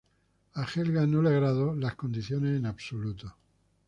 A Helga no le agradó las condiciones en absoluto.